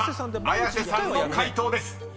［綾瀬さんの解答です］